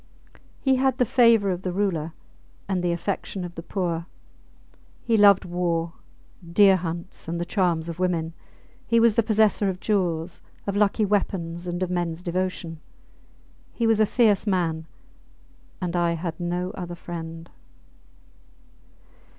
He had the favour of the Ruler and the affection of the poor. He loved war, deer hunts, and the charms of women. He was the possessor of jewels, of lucky weapons, and of mens devotion. He was a fierce man; and I had no other friend.